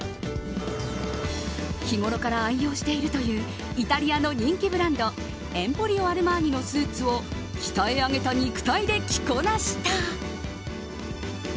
日ごろから愛用しているというイタリアの人気ブランドエンポリオアルマーニのスーツを鍛え上げた肉体で着こなした。